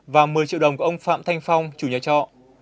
và một mươi triệu đồng của ông phạm thanh phong chủ nhà trọ